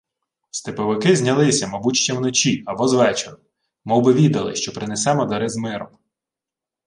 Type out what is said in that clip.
— Степовики знялися, мабути, ще вночі або звечору. Мовби відали, що принесемо дари з миром.